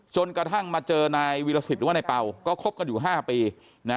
จนกระทั่งมาเจอนายวีรสิตหรือว่านายเป่าก็คบกันอยู่๕ปี